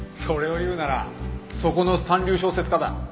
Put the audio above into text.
それを言うならそこの三流小説家だ。